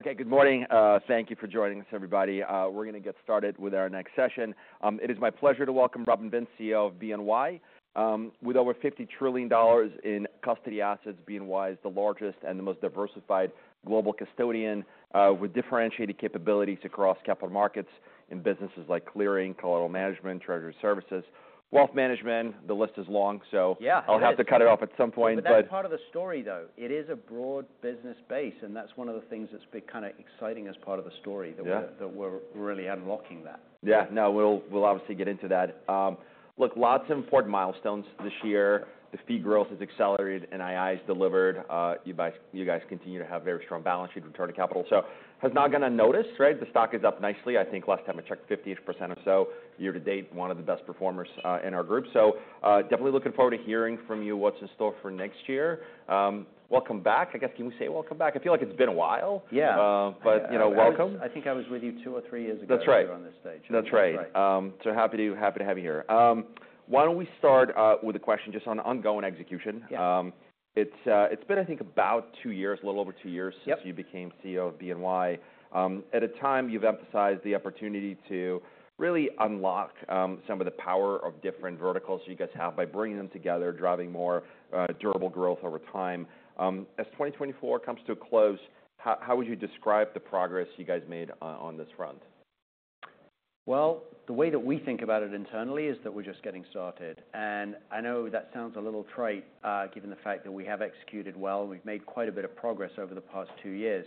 Okay, good morning. Thank you for joining us, everybody. We're going to get started with our next session. It is my pleasure to welcome Robin Vince, CEO of BNY. With over $50 trillion in custody assets, BNY is the largest and the most diversified global custodian, with differentiated capabilities across capital markets in businesses like clearing, collateral management, treasury services, wealth management. The list is long, so I'll have to cut it off at some point. But that's part of the story, though. It is a broad business base, and that's one of the things that's been kind of exciting as part of the story. Yeah. That we're really unlocking that. Yeah, no, we'll obviously get into that. Look, lots of important milestones this year. The fee growth has accelerated, NII has delivered. You guys continue to have very strong balance sheet return to capital. So who's not going to notice, right? The stock is up nicely. I think last time I checked, 50% or so. Year to date, one of the best performers in our group. So, definitely looking forward to hearing from you what's in store for next year. Welcome back. I guess, can we say welcome back? I feel like it's been a while. Yeah. But, you know, welcome. I think I was with you two or three years ago. That's right. Here on this stage. That's right. So happy to have you here. Why don't we start with a question just on ongoing execution? Yeah. It's, it's been, I think, about two years, a little over two years since you became CEO of BNY. At a time, you've emphasized the opportunity to really unlock, some of the power of different verticals you guys have by bringing them together, driving more, durable growth over time. As 2024 comes to a close, how would you describe the progress you guys made on this front? The way that we think about it internally is that we're just getting started. I know that sounds a little trite, given the fact that we have executed well. We've made quite a bit of progress over the past two years.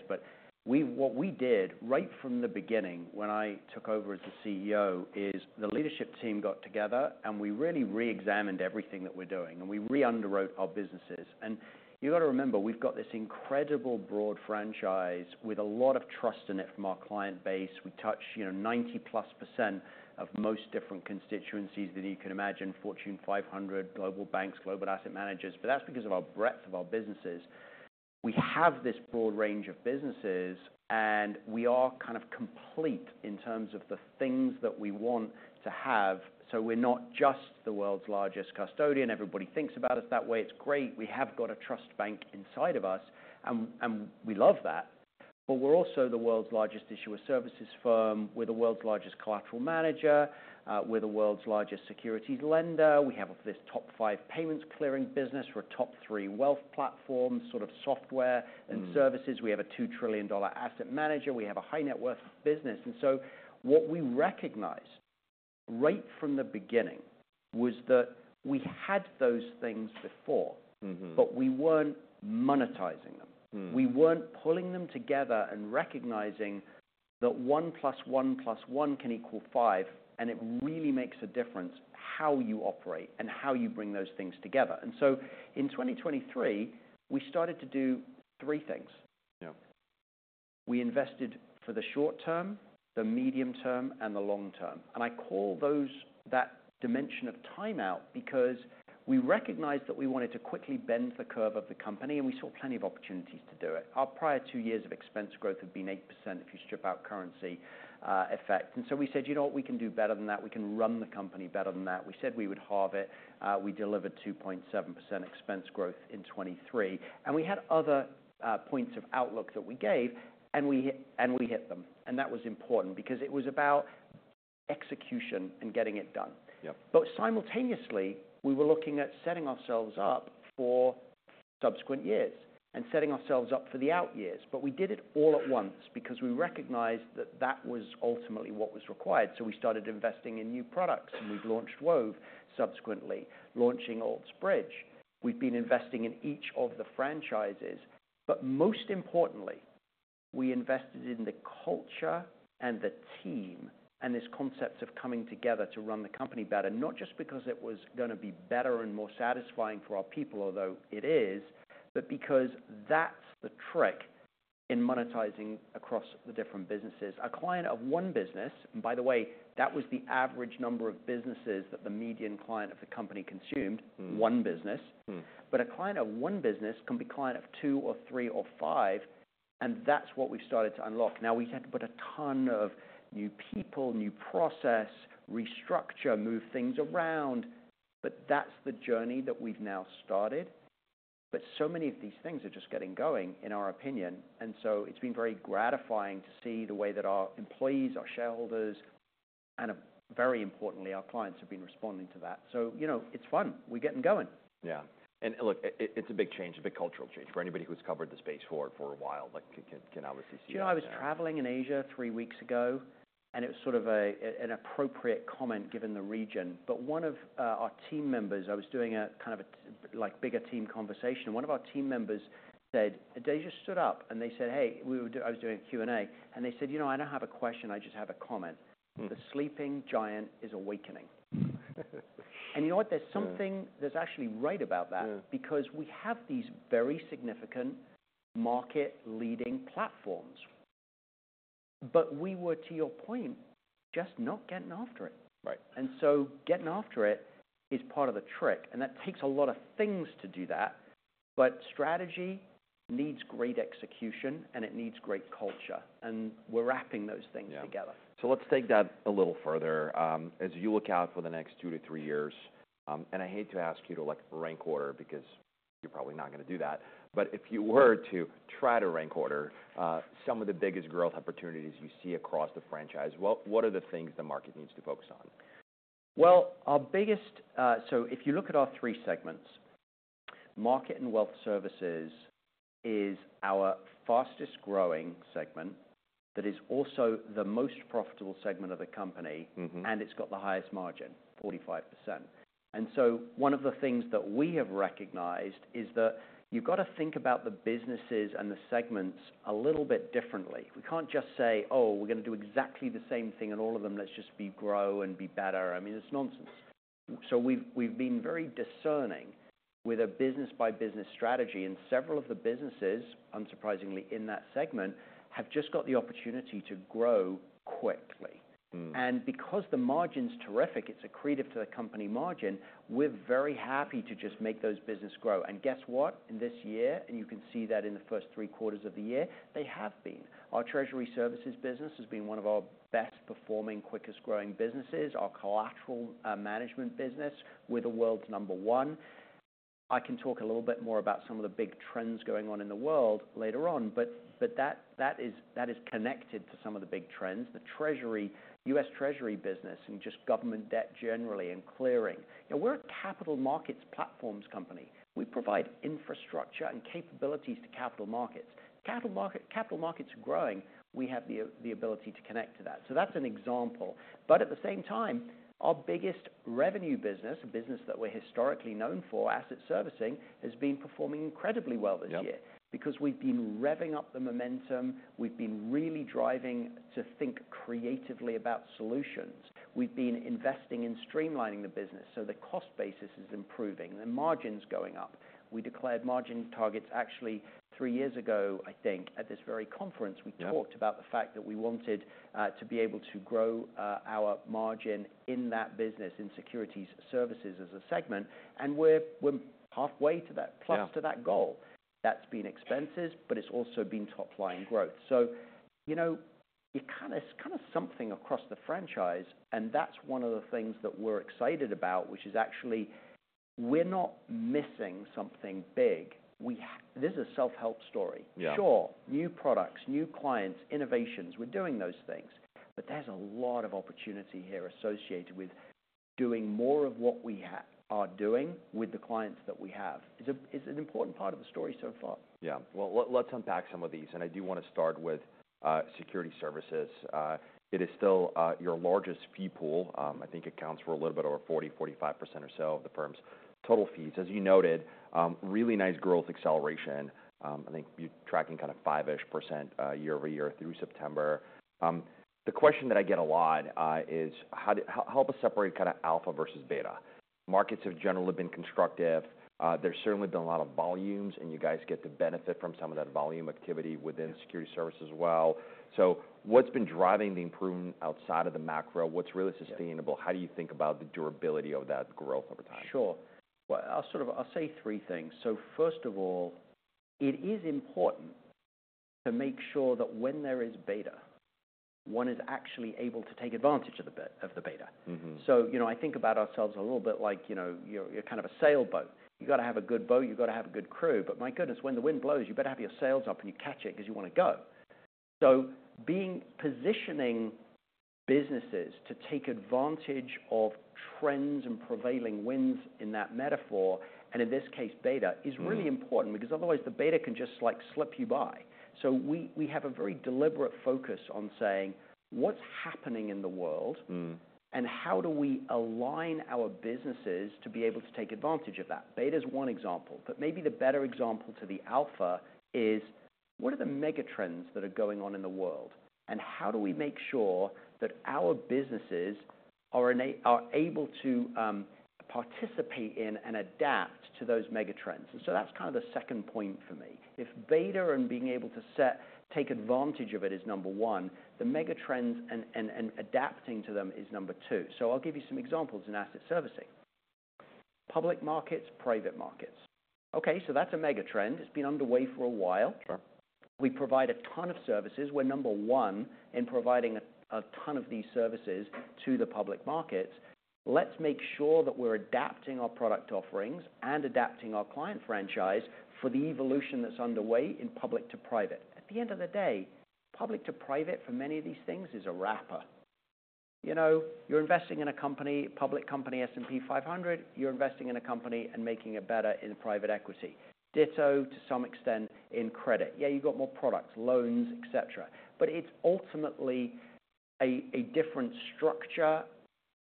What we did right from the beginning when I took over as the CEO is the leadership team got together, and we really re-examined everything that we're doing, and we re-underwrote our businesses. You've got to remember, we've got this incredible broad franchise with a lot of trust in it from our client base. We touch, you know, 90%+ of most different constituencies that you can imagine: Fortune 500, global banks, global asset managers. That's because of our breadth of our businesses. We have this broad range of businesses, and we are kind of complete in terms of the things that we want to have. So we're not just the world's largest custodian. Everybody thinks about us that way. It's great. We have got a trust bank inside of us, and we love that. But we're also the world's largest issuer services firm. We're the world's largest collateral manager. We're the world's largest securities lender. We have this top five payments clearing business. We're a top three wealth platform, sort of software and services. We have a $2 trillion asset manager. We have a high net worth business. And so what we recognized right from the beginning was that we had those things before, but we weren't monetizing them. We weren't pulling them together and recognizing that one plus one plus one can equal five, and it really makes a difference how you operate and how you bring those things together. And so in 2023, we started to do three things. Yeah. We invested for the short term, the medium term, and the long term. And I call those that dimension of timeout because we recognized that we wanted to quickly bend the curve of the company, and we saw plenty of opportunities to do it. Our prior two years of expense growth had been 8% if you strip out currency effect. And so we said, you know what? We can do better than that. We can run the company better than that. We said we would halve it. We delivered 2.7% expense growth in 2023. And we had other points of outlook that we gave, and we hit them. And that was important because it was about execution and getting it done. Yeah. But simultaneously, we were looking at setting ourselves up for subsequent years and setting ourselves up for the out years. But we did it all at once because we recognized that that was ultimately what was required. So we started investing in new products, and we've launched Wove subsequently, launching Alts Bridge. We've been investing in each of the franchises. But most importantly, we invested in the culture and the team and this concept of coming together to run the company better, not just because it was going to be better and more satisfying for our people, although it is, but because that's the trick in monetizing across the different businesses. A client of one business, and by the way, that was the average number of businesses that the median client of the company consumed, one business. But a client of one business can be a client of two or three or five, and that's what we've started to unlock. Now, we had to put a ton of new people, new process, restructure, move things around. But that's the journey that we've now started. But so many of these things are just getting going, in our opinion. And so it's been very gratifying to see the way that our employees, our shareholders, and very importantly, our clients have been responding to that. So, you know, it's fun. We're getting going. Yeah. And look, it's a big change, a big cultural change for anybody who's covered the space for a while. Like, can obviously see that. You know, I was traveling in Asia three weeks ago, and it was sort of an appropriate comment given the region, but one of our team members, I was doing a kind of a bigger team conversation. One of our team members said, they just stood up and they said, "Hey, I was doing a Q&A." And they said, "You know, I don't have a question. I just have a comment. The sleeping giant is awakening." And you know what? There's something that's actually right about that because we have these very significant market-leading platforms, but we were, to your point, just not getting after it. Right. And so getting after it is part of the trick. And that takes a lot of things to do that. But strategy needs great execution, and it needs great culture. And we're wrapping those things together. Yeah. So let's take that a little further. As you look out for the next two to three years, and I hate to ask you to, like, rank order because you're probably not going to do that. But if you were to try to rank order, some of the biggest growth opportunities you see across the franchise, what are the things the market needs to focus on? Our biggest, so if you look at our three segments, Market and Wealth Services is our fastest-growing segment that is also the most profitable segment of the company. And it's got the highest margin, 45%. One of the things that we have recognized is that you've got to think about the businesses and the segments a little bit differently. We can't just say, "Oh, we're going to do exactly the same thing in all of them. Let's just grow and be better." I mean, it's nonsense. We've been very discerning with a business-by-business strategy. Several of the businesses, unsurprisingly in that segment, have just got the opportunity to grow quickly. Because the margin's terrific, it's accretive to the company margin, we're very happy to just make those businesses grow. Guess what? In this year, and you can see that in the first three quarters of the year, they have been. Our Treasury Services business has been one of our best-performing, quickest-growing businesses. Our Collateral Management business, we're the world's number one. I can talk a little bit more about some of the big trends going on in the world later on, but that is connected to some of the big trends. The Treasury, U.S. Treasury business, and just government debt generally and clearing. You know, we're a capital markets platforms company. We provide infrastructure and capabilities to capital markets. Capital markets are growing. We have the ability to connect to that. So that's an example. But at the same time, our biggest revenue business, a business that we're historically known for, Asset Servicing, has been performing incredibly well this year because we've been revving up the momentum. We've been really driving to think creatively about solutions. We've been investing in streamlining the business. So the cost basis is improving. The margin's going up. We declared margin targets actually three years ago, I think, at this very conference. We talked about the fact that we wanted to be able to grow our margin in that business, in Securities Services as a segment. And we're halfway to that, close to that goal. That's been expenses, but it's also been top-line growth. So, you know, it's kind of something across the franchise. And that's one of the things that we're excited about, which is actually we're not missing something big. This is a self-help story. Yeah. Sure. New products, new clients, innovations. We're doing those things. But there's a lot of opportunity here associated with doing more of what we are doing with the clients that we have. It's an important part of the story so far. Yeah. Well, let's unpack some of these, and I do want to start with Securities Services. It is still your largest fee pool. I think it accounts for a little bit over 40%-45% or so of the firm's total fees. As you noted, really nice growth acceleration. I think you're tracking kind of five-ish percent year-over-year through September. The question that I get a lot is how to help us separate kind of alpha versus beta. Markets have generally been constructive. There's certainly been a lot of volumes, and you guys get to benefit from some of that volume activity within Securities Services as well. So what's been driving the improvement outside of the macro? What's really sustainable? How do you think about the durability of that growth over time? Sure. Well, I'll sort of, I'll say three things. So first of all, it is important to make sure that when there is beta, one is actually able to take advantage of the beta. So, you know, I think about ourselves a little bit like, you know, you're kind of a sailboat. You've got to have a good boat. You've got to have a good crew. But my goodness, when the wind blows, you better have your sails up and you catch it because you want to go. So positioning businesses to take advantage of trends and prevailing winds in that metaphor, and in this case, beta, is really important because otherwise the beta can just, like, slip you by. So we have a very deliberate focus on saying, "What's happening in the world?" And how do we align our businesses to be able to take advantage of that? Beta's one example, but maybe the better example than alpha is, what are the mega trends that are going on in the world, and how do we make sure that our businesses are able to participate in and adapt to those mega trends, and so that's kind of the second point for me. If beta and being able to take advantage of it is number one, the mega trends and adapting to them is number two, so I'll give you some examples in asset servicing. Public markets, private markets. Okay, so that's a mega trend. It's been underway for a while. Sure. We provide a ton of services. We're number one in providing a ton of these services to the public markets. Let's make sure that we're adapting our product offerings and adapting our client franchise for the evolution that's underway in public to private. At the end of the day, public to private for many of these things is a wrapper. You know, you're investing in a company, public company, S&P 500. You're investing in a company and making it better in private equity, ditto to some extent in credit. Yeah, you've got more products, loans, etc. But it's ultimately a different structure,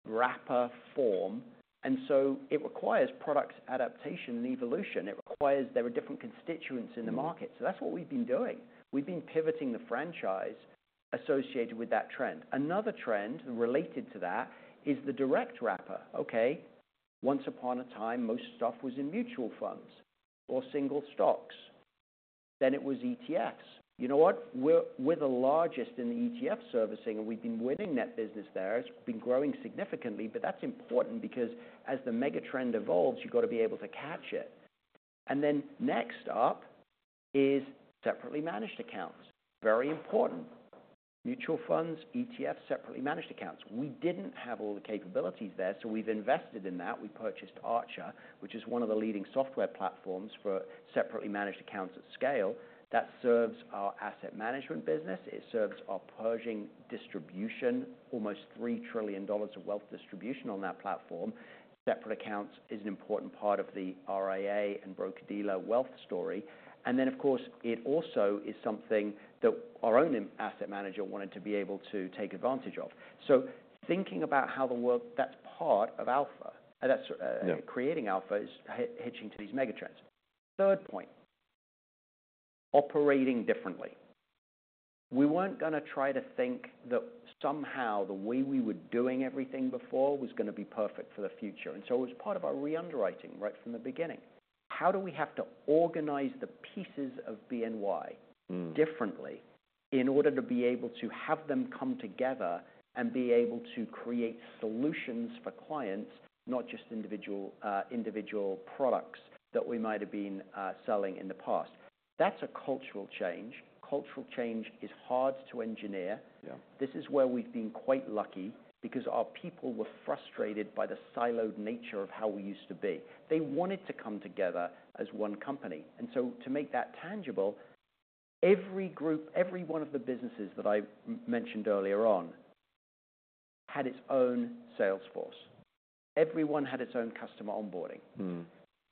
wrapper form. And so it requires product adaptation and evolution. It requires there are different constituents in the market. So that's what we've been doing. We've been pivoting the franchise associated with that trend. Another trend related to that is the direct wrapper. Okay. Once upon a time, most stuff was in mutual funds or single stocks. Then it was ETFs. You know what? We're the largest in the ETF servicing, and we've been winning that business there. It's been growing significantly. But that's important because as the mega trend evolves, you've got to be able to catch it. And then next up is separately managed accounts. Very important. Mutual funds, ETFs, separately managed accounts. We didn't have all the capabilities there, so we've invested in that. We purchased Archer, which is one of the leading software platforms for separately managed accounts at scale. That serves our asset management business. It serves our Pershing distribution, almost $3 trillion of wealth distribution on that platform. Separate accounts is an important part of the RIA and broker-dealer wealth story. And then, of course, it also is something that our own asset manager wanted to be able to take advantage of. So thinking about how the world, that's part of alpha. That's creating Alpha is hitching to these mega trends. Third point, operating differently. We weren't going to try to think that somehow the way we were doing everything before was going to be perfect for the future. And so it was part of our re-underwriting right from the beginning. How do we have to organize the pieces of BNY differently in order to be able to have them come together and be able to create solutions for clients, not just individual products that we might have been selling in the past? That's a cultural change. Cultural change is hard to engineer. This is where we've been quite lucky because our people were frustrated by the siloed nature of how we used to be. They wanted to come together as one company, and so to make that tangible, every group, every one of the businesses that I mentioned earlier on had its own sales force. Everyone had its own customer onboarding.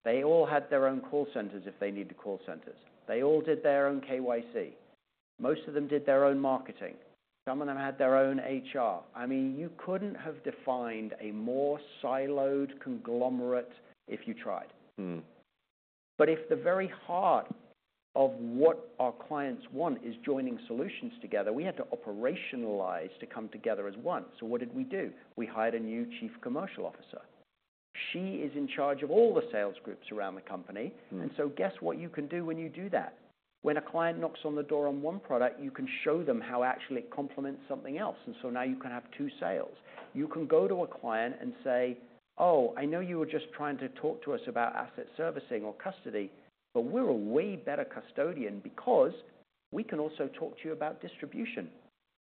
They all had their own call centers if they needed call centers. They all did their own KYC. Most of them did their own marketing. Some of them had their own HR. I mean, you couldn't have defined a more siloed conglomerate if you tried, but if the very heart of what our clients want is joining solutions together, we had to operationalize to come together as one, so what did we do? We hired a new Chief Commercial Officer. She is in charge of all the sales groups around the company. And so guess what you can do when you do that? When a client knocks on the door on one product, you can show them how actually it complements something else. And so now you can have two sales. You can go to a client and say, "Oh, I know you were just trying to talk to us about Asset Servicing or custody, but we're a way better custodian because we can also talk to you about distribution."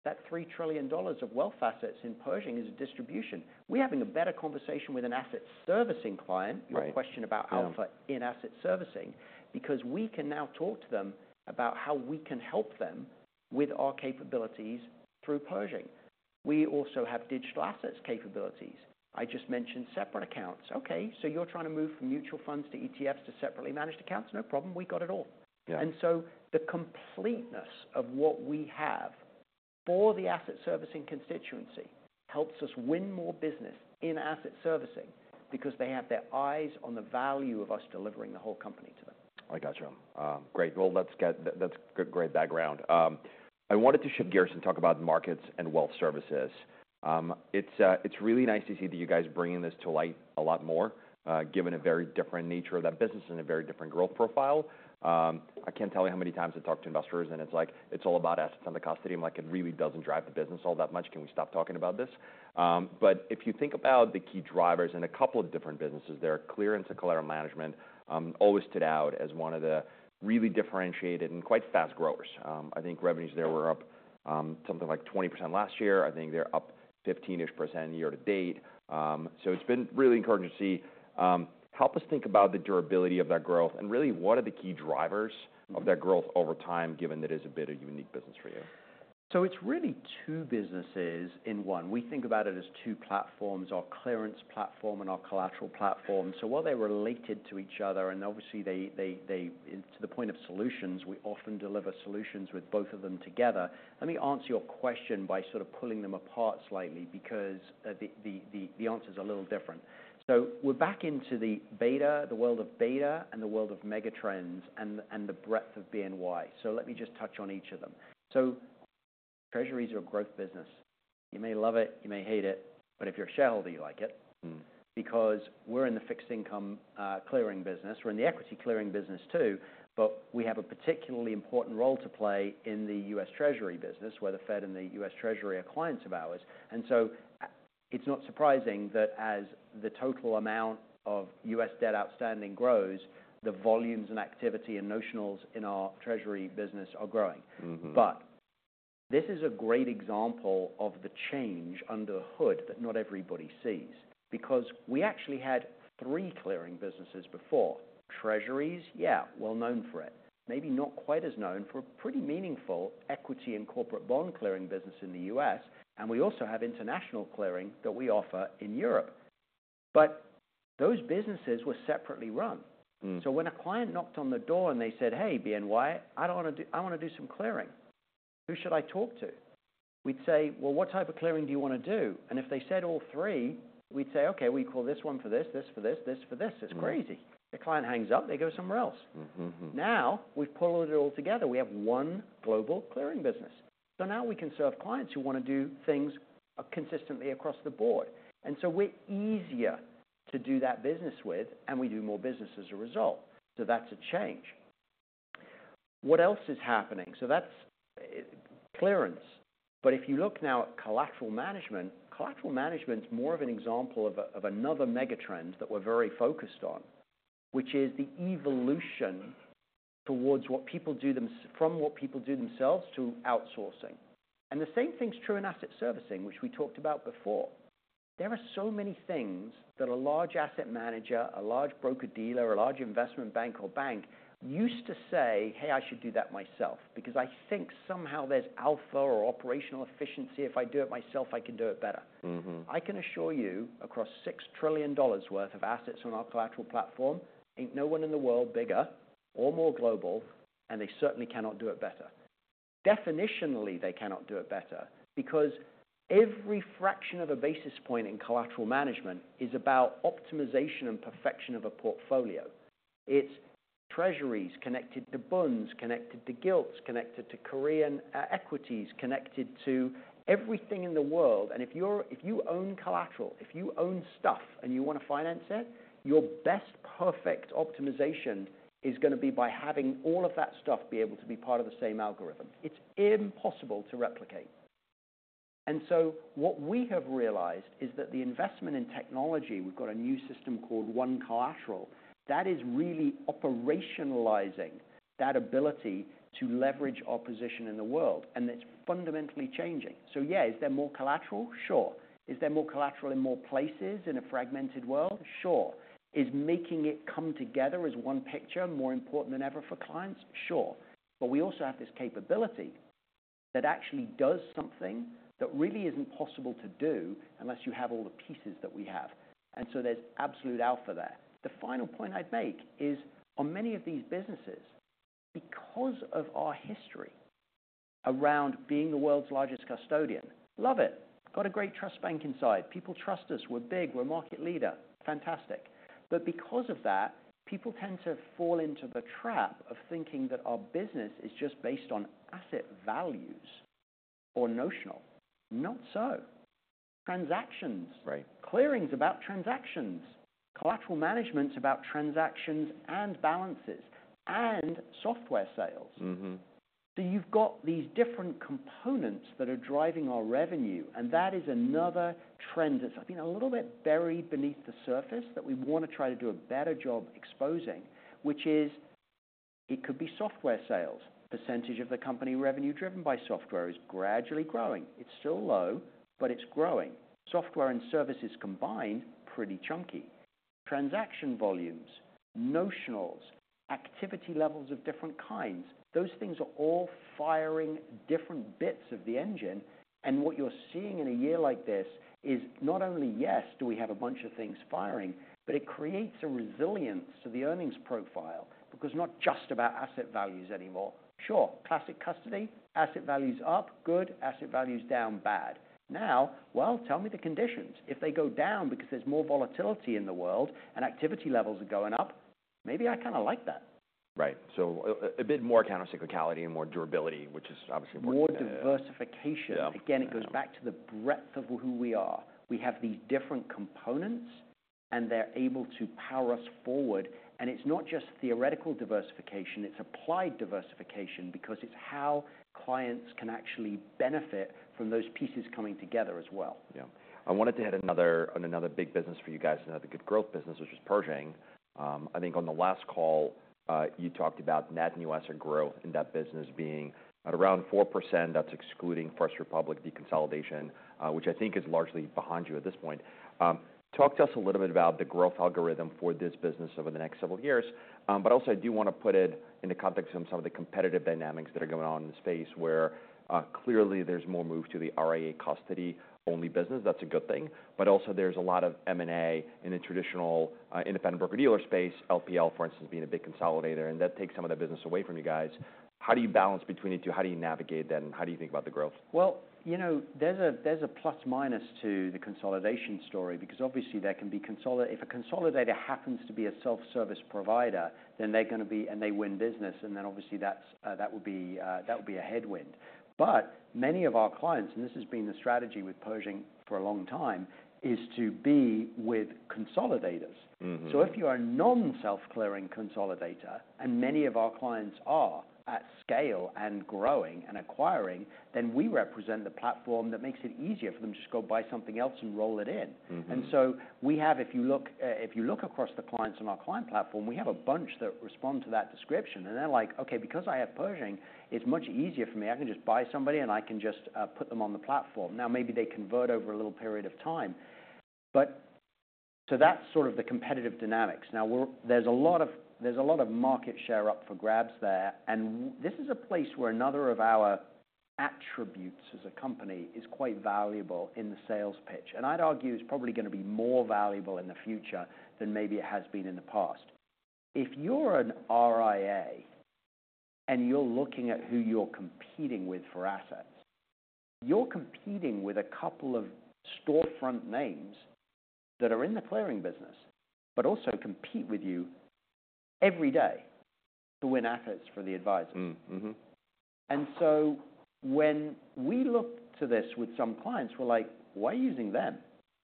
That $3 trillion of wealth assets in Pershing is distribution. We're having a better conversation with an Asset Servicing client. Your question about alpha in Asset Servicing because we can now talk to them about how we can help them with our capabilities through Pershing. We also have digital assets capabilities. I just mentioned separate accounts. Okay. So you're trying to move from mutual funds to ETFs to separately managed accounts? No problem. We've got it all. And so the completeness of what we have for the Asset Servicing constituency helps us win more business in Asset Servicing because they have their eyes on the value of us delivering the whole company to them. I got you. Great. That's great background. I wanted to shift gears and talk about markets and wealth services. It's really nice to see that you guys bringing this to light a lot more, given a very different nature of that business and a very different growth profile. I can't tell you how many times I talk to investors, and it's like, it's all about assets under custody. I'm like, it really doesn't drive the business all that much. Can we stop talking about this? But if you think about the key drivers in a couple of different businesses, they're clearing and collateral management, always stood out as one of the really differentiated and quite fast growers. I think revenues there were up something like 20% last year. I think they're up 15-ish percent year to date. It's been really encouraging to see. Help us think about the durability of that growth and really what are the key drivers of that growth over time, given that it is a bit of a unique business for you? It's really two businesses in one. We think about it as two platforms, our clearing platform and our collateral platform. While they're related to each other, and obviously they to the point of solutions, we often deliver solutions with both of them together. Let me answer your question by sort of pulling them apart slightly because the answer's a little different. We're back into the beta, the world of beta, and the world of mega trends and the breadth of BNY. Let me just touch on each of them. Treasuries are a growth business. You may love it, you may hate it, but if you're a shareholder, you like it because we're in the fixed income clearing business. We're in the equity clearing business too, but we have a particularly important role to play in the U.S. Treasury business where the Fed and the U.S. Treasury are clients of ours, and so it's not surprising that as the total amount of U.S. debt outstanding grows, the volumes and activity and notionals in our treasury business are growing, but this is a great example of the change under the hood that not everybody sees because we actually had three clearing businesses before: Treasuries, yeah, well known for it. Maybe not quite as known for a pretty meaningful equity and corporate bond clearing business in the U.S., and we also have international clearing that we offer in Europe, but those businesses were separately run, so when a client knocked on the door and they said, "Hey, BNY, I don't want to do, I want to do some clearing. Who should I talk to?" We'd say, "Well, what type of clearing do you want to do?" And if they said all three, we'd say, "Okay, we call this one for this, this for this, this for this." It's crazy. The client hangs up, they go somewhere else. Now we've pulled it all together. We have one global clearing business. So now we can serve clients who want to do things consistently across the board. And so we're easier to do that business with, and we do more business as a result. So that's a change. What else is happening? So that's clearing. But if you look now at collateral management, collateral management's more of an example of another mega trend that we're very focused on, which is the evolution towards what people do from what people do themselves to outsourcing. And the same thing's true in asset servicing, which we talked about before. There are so many things that a large asset manager, a large broker-dealer, a large investment bank or bank used to say, "Hey, I should do that myself because I think somehow there's alpha or operational efficiency. If I do it myself, I can do it better." I can assure you across $6 trillion worth of assets on our collateral platform, ain't no one in the world bigger or more global, and they certainly cannot do it better. Definitionally, they cannot do it better because every fraction of a basis point in collateral management is about optimization and perfection of a portfolio. It's treasuries connected to bonds, connected to gilts, connected to Korean equities, connected to everything in the world. And if you're, if you own collateral, if you own stuff and you want to finance it, your best perfect optimization is going to be by having all of that stuff be able to be part of the same algorithm. It's impossible to replicate. And so what we have realized is that the investment in technology, we've got a new system called OneCollateral that is really operationalizing that ability to leverage our position in the world, and it's fundamentally changing. So yeah, is there more collateral? Sure. Is there more collateral in more places in a fragmented world? Sure. Is making it come together as one picture more important than ever for clients? Sure. But we also have this capability that actually does something that really isn't possible to do unless you have all the pieces that we have. And so there's absolute alpha there. The final point I'd make is on many of these businesses, because of our history around being the world's largest custodian, love it. Got a great trust bank inside. People trust us. We're big. We're a market leader. Fantastic. But because of that, people tend to fall into the trap of thinking that our business is just based on asset values or notional. Not so. Transactions, clearing about transactions, collateral management about transactions and balances and software sales. So you've got these different components that are driving our revenue, and that is another trend that's been a little bit buried beneath the surface that we want to try to do a better job exposing, which is it could be software sales. Percentage of the company revenue driven by software is gradually growing. It's still low, but it's growing. Software and services combined, pretty chunky. Transaction volumes, notionals, activity levels of different kinds, those things are all firing different bits of the engine, and what you're seeing in a year like this is not only, yes, do we have a bunch of things firing, but it creates a resilience to the earnings profile because not just about asset values anymore. Sure. Classic custody, asset values up, good. Asset values down, bad. Now, well, tell me the conditions. If they go down because there's more volatility in the world and activity levels are going up, maybe I kind of like that. Right. So a bit more countercyclicality and more durability, which is obviously important to you. More diversification. Again, it goes back to the breadth of who we are. We have these different components, and they're able to power us forward. And it's not just theoretical diversification. It's applied diversification because it's how clients can actually benefit from those pieces coming together as well. Yeah. I wanted to hit another on another big business for you guys, another good growth business, which is Pershing. I think on the last call, you talked about net new assets growth in that business being at around 4%. That's excluding First Republic deconsolidation, which I think is largely behind you at this point. Talk to us a little bit about the growth algorithm for this business over the next several years. But also I do want to put it in the context of some of the competitive dynamics that are going on in the space where, clearly there's more move to the RIA custody-only business. That's a good thing. But also there's a lot of M&A in the traditional, independent broker-dealer space, LPL, for instance, being a big consolidator, and that takes some of that business away from you guys. How do you balance between the two? How do you navigate that, and how do you think about the growth? Well, you know, there's a, there's a plus-minus to the consolidation story because obviously there can be consolidation. If a consolidator happens to be a self-service provider, then they're going to be, and they win business. And then obviously that's, that would be, that would be a headwind. But many of our clients, and this has been the strategy with Pershing for a long time, is to be with consolidators. So if you are a non-self-clearing consolidator, and many of our clients are at scale and growing and acquiring, then we represent the platform that makes it easier for them to just go buy something else and roll it in. And so we have, if you look, if you look across the clients on our client platform, we have a bunch that respond to that description, and they're like, "Okay, because I have Pershing, it's much easier for me. I can just buy somebody, and I can just, put them on the platform." Now, maybe they convert over a little period of time, but, so that's sort of the competitive dynamics. Now, there’s a lot of, there’s a lot of market share up for grabs there, and this is a place where another of our attributes as a company is quite valuable in the sales pitch and I’d argue it’s probably going to be more valuable in the future than maybe it has been in the past. If you’re an RIA and you’re looking at who you’re competing with for assets, you’re competing with a couple of storefront names that are in the clearing business, but also compete with you every day to win assets for the advisor. And so when we look to this with some clients, we're like, "Why are you using them?"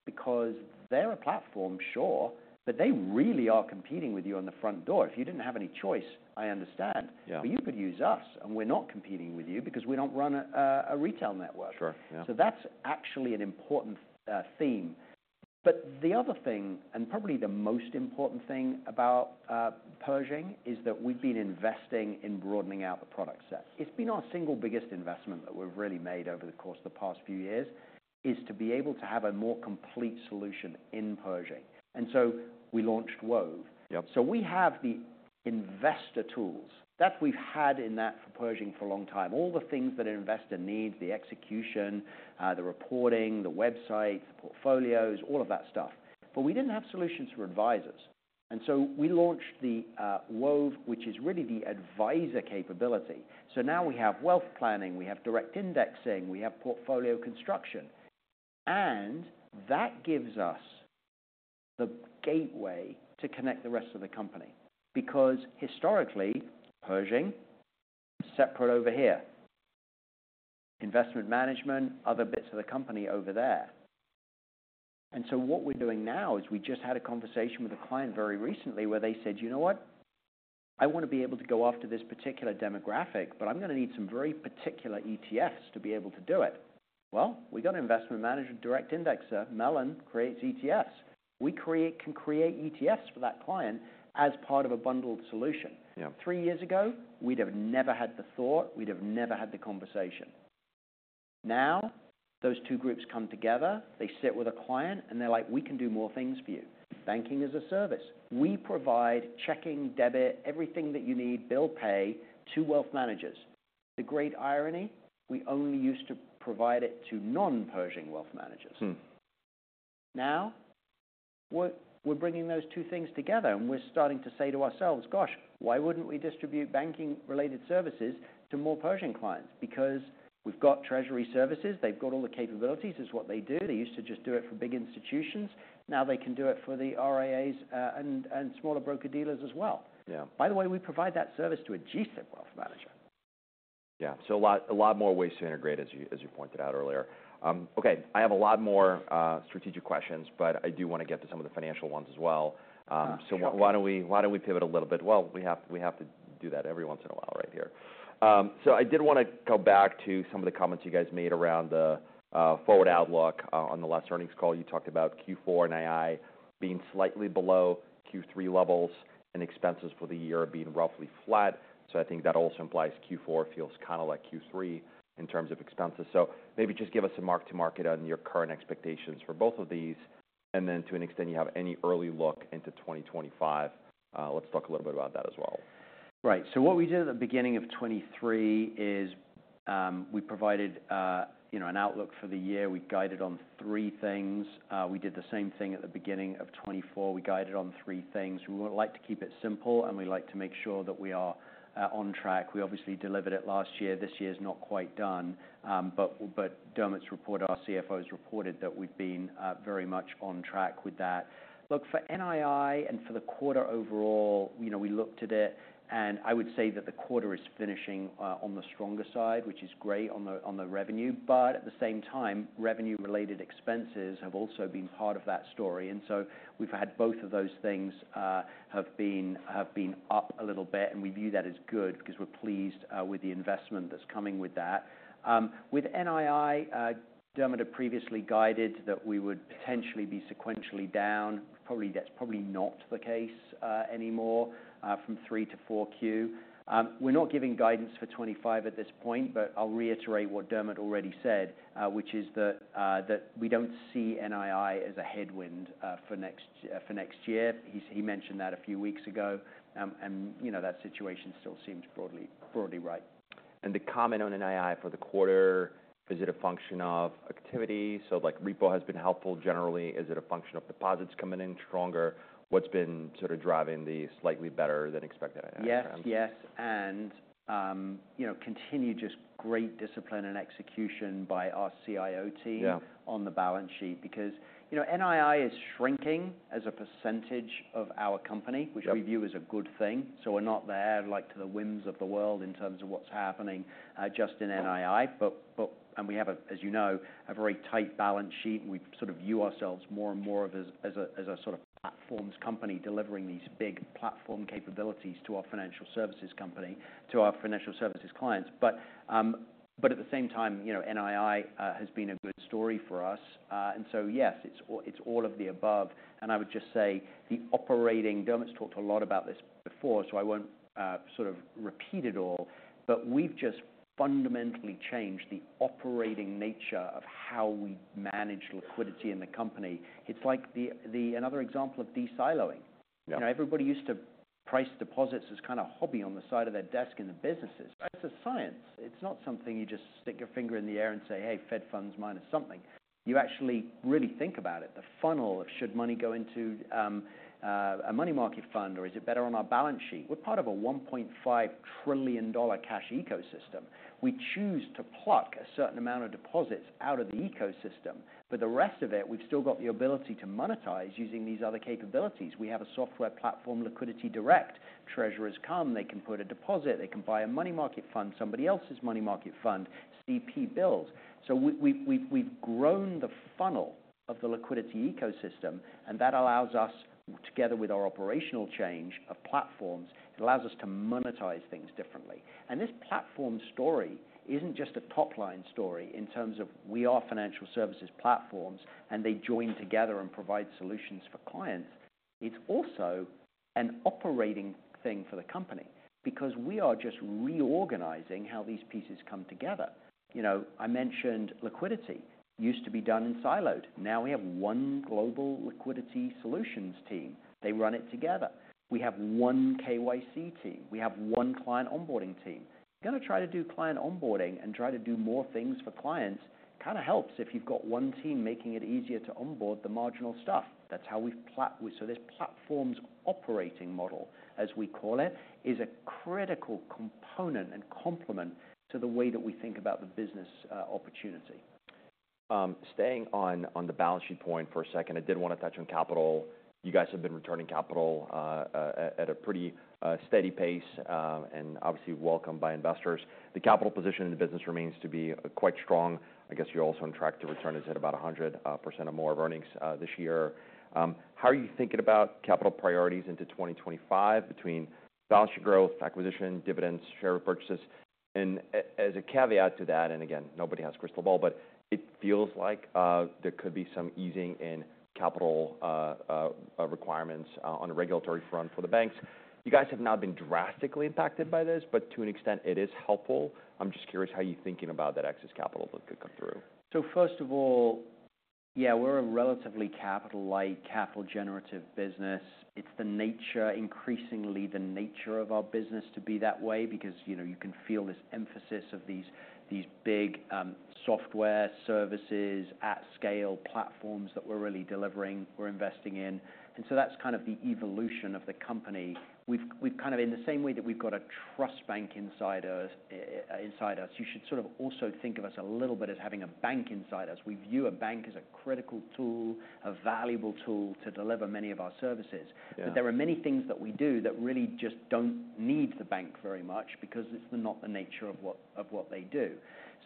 Because they're a platform, sure, but they really are competing with you on the front door. If you didn't have any choice, I understand. But you could use us, and we're not competing with you because we don't run a retail network. Sure. Yeah. So that's actually an important theme. But the other thing, and probably the most important thing about Pershing, is that we've been investing in broadening out the product set. It's been our single biggest investment that we've really made over the course of the past few years is to be able to have a more complete solution in Pershing. And so we launched Wove. So we have the investor tools that we've had in that for Pershing for a long time. All the things that an investor needs, the execution, the reporting, the websites, the portfolios, all of that stuff. But we didn't have solutions for advisors. And so we launched the Wove, which is really the advisor capability. So now we have wealth planning, we have direct indexing, we have portfolio construction, and that gives us the gateway to connect the rest of the company because historically, Pershing separate over here, Investment Management, other bits of the company over there. And so what we're doing now is we just had a conversation with a client very recently where they said, "You know what? I want to be able to go after this particular demographic, but I'm going to need some very particular ETFs to be able to do it." Well, we got an Investment Management direct indexing. Mellon creates ETFs. We create, can create ETFs for that client as part of a bundled solution. Three years ago, we'd have never had the thought. We'd have never had the conversation. Now those two groups come together. They sit with a client, and they're like, "We can do more things for you. Banking as a service. We provide checking, debit, everything that you need, bill pay to wealth managers." It's a great irony. We only used to provide it to non-Pershing wealth managers. Now we're bringing those two things together, and we're starting to say to ourselves, "Gosh, why wouldn't we distribute banking-related services to more Pershing clients?" Because we've got treasury services. They've got all the capabilities. It's what they do. They used to just do it for big institutions. Now they can do it for the RIAs and smaller broker-dealers as well. By the way, we provide that service to a G-SIB wealth manager. Yeah. So a lot, a lot more ways to integrate, as you, as you pointed out earlier. Okay. I have a lot more strategic questions, but I do want to get to some of the financial ones as well. So why don't we, why don't we pivot a little bit? Well, we have, we have to do that every once in a while right here. So I did want to go back to some of the comments you guys made around the forward outlook on the last earnings call. You talked about Q4 and NII being slightly below Q3 levels and expenses for the year being roughly flat. So I think that also implies Q4 feels kind of like Q3 in terms of expenses. So maybe just give us a mark-to-market on your current expectations for both of these, and then to an extent you have any early look into 2025. Let's talk a little bit about that as well. Right. So what we did at the beginning of 2023 is, we provided, you know, an outlook for the year. We guided on three things. We did the same thing at the beginning of 2024. We guided on three things. We would like to keep it simple, and we like to make sure that we are on track. We obviously delivered it last year. This year's not quite done, but Dermot, our CFO, reported that we've been very much on track with that. Look, for NII and for the quarter overall, you know, we looked at it, and I would say that the quarter is finishing on the stronger side, which is great on the revenue. But at the same time, revenue-related expenses have also been part of that story. And so we've had both of those things have been up a little bit, and we view that as good because we're pleased with the investment that's coming with that. With NII, Dermot had previously guided that we would potentially be sequentially down. Probably that's not the case anymore from three to 4Q. We're not giving guidance for 2025 at this point, but I'll reiterate what Dermot already said, which is that we don't see NII as a headwind for next year. He mentioned that a few weeks ago, and you know, that situation still seems broadly right. The comment on NII for the quarter, is it a function of activity? So like repo has been helpful generally. Is it a function of deposits coming in stronger? What's been sort of driving the slightly better than expected? Yes. Yes. And, you know, continue just great discipline and execution by our CIO team on the balance sheet because, you know, NII is shrinking as a percentage of our company, which we view as a good thing. So we're not there like to the whims of the world in terms of what's happening, just in NII, but, and we have a, as you know, a very tight balance sheet, and we sort of view ourselves more and more of as, as a, as a sort of platforms company delivering these big platform capabilities to our financial services company, to our financial services clients. But, but at the same time, you know, NII has been a good story for us, and so yes, it's all of the above. I would just say the operating. Dermot's talked a lot about this before, so I won't, sort of repeat it all, but we've just fundamentally changed the operating nature of how we manage liquidity in the company. It's like another example of de-siloing. You know, everybody used to price deposits as kind of a hobby on the side of their desk in the businesses. That's a science. It's not something you just stick your finger in the air and say, "Hey, Fed funds minus something." You actually really think about it. The funnel of should money go into a money market fund, or is it better on our balance sheet? We're part of a $1.5 trillion cash ecosystem. We choose to pluck a certain amount of deposits out of the ecosystem, but the rest of it, we've still got the ability to monetize using these other capabilities. We have a software platform, LiquidityDirect. Treasurers come. They can put a deposit. They can buy a money market fund, somebody else's money market fund, CP bills. So we've grown the funnel of the liquidity ecosystem, and that allows us, together with our operational change of platforms, to monetize things differently, and this platform story isn't just a top-line story in terms of we are financial services platforms and they join together and provide solutions for clients. It's also an operating thing for the company because we are just reorganizing how these pieces come together. You know, I mentioned liquidity used to be done in silos. Now we have one global liquidity solutions team. They run it together. We have one KYC team. We have one client onboarding team. Going to try to do client onboarding and try to do more things for clients kind of helps if you've got one team making it easier to onboard the marginal stuff. That's how we've planned. So this platform's operating model, as we call it, is a critical component and complement to the way that we think about the business opportunity. Staying on the balance sheet point for a second, I did want to touch on capital. You guys have been returning capital at a pretty steady pace, and obviously welcomed by investors. The capital position in the business remains to be quite strong. I guess you're also on track to return as at about 100% or more of earnings, this year. How are you thinking about capital priorities into 2025 between balance sheet growth, acquisition, dividends, share purchases? And as a caveat to that, and again, nobody has crystal ball, but it feels like there could be some easing in capital requirements on a regulatory front for the banks. You guys have not been drastically impacted by this, but to an extent, it is helpful. I'm just curious how you're thinking about that excess capital that could come through. So first of all, yeah, we're a relatively capital-light, capital-generative business. It's the nature, increasingly the nature of our business to be that way because, you know, you can feel this emphasis of these big, software services at scale platforms that we're really delivering, we're investing in. And so that's kind of the evolution of the company. We've kind of in the same way that we've got a trust bank inside us, you should sort of also think of us a little bit as having a bank inside us. We view a bank as a critical tool, a valuable tool to deliver many of our services. But there are many things that we do that really just don't need the bank very much because it's not the nature of what they do.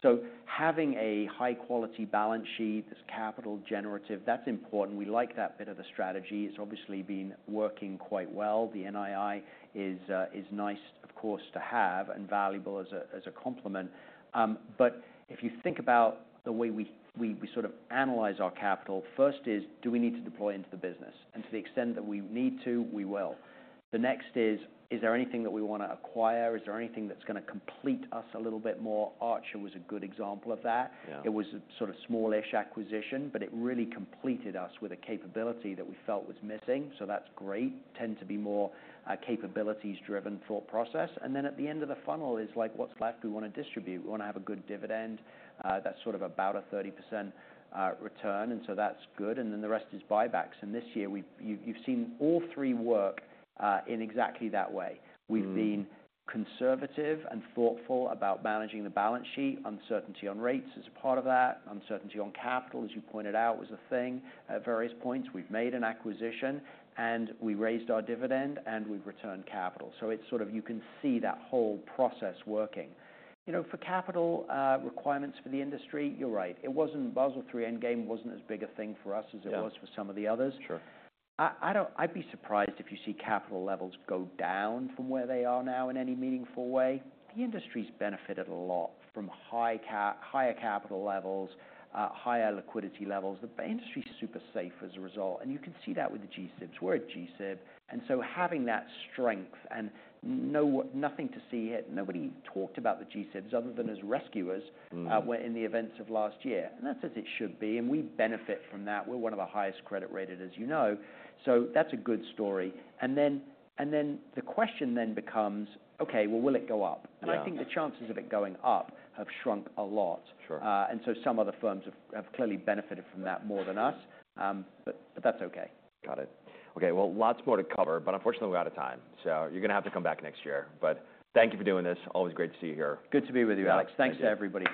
So having a high-quality balance sheet that's capital-generative, that's important. We like that bit of the strategy. It's obviously been working quite well. The NII is nice, of course, to have and valuable as a complement. But if you think about the way we sort of analyze our capital, first, do we need to deploy into the business? And to the extent that we need to, we will. The next is. Is there anything that we want to acquire? Is there anything that's going to complete us a little bit more? Archer was a good example of that. It was a sort of smallish acquisition, but it really completed us with a capability that we felt was missing. So that's great. Tend to be more capabilities-driven thought process. And then at the end of the funnel is like, what's left? We want to distribute. We want to have a good dividend. That's sort of about a 30% return. And so that's good. And then the rest is buybacks. And this year, we've. You've seen all three work in exactly that way. We've been conservative and thoughtful about managing the balance sheet. Uncertainty on rates is a part of that. Uncertainty on capital, as you pointed out, was a thing at various points. We've made an acquisition, and we raised our dividend, and we've returned capital. So it's sort of. You can see that whole process working. You know, for capital requirements for the industry, you're right. It wasn't. Basel III Endgame wasn't as big a thing for us as it was for some of the others. Sure. I don't. I'd be surprised if you see capital levels go down from where they are now in any meaningful way. The industry's benefited a lot from high cap, higher capital levels, higher liquidity levels. The industry's super safe as a result. And you can see that with the G-SIBs. We're a G-SIB. And so having that strength and nothing to see it. Nobody talked about the G-SIBs other than as rescuers, in the events of last year. And that's as it should be. And we benefit from that. We're one of the highest credit rated, as you know. So that's a good story. And then the question then becomes, okay, well, will it go up? And I think the chances of it going up have shrunk a lot. And so some other firms have clearly benefited from that more than us. But that's okay. Got it. Okay. Well, lots more to cover, but unfortunately, we're out of time. So you're going to have to come back next year. But thank you for doing this. Always great to see you here. Good to be with you, Alex. Thanks to everybody.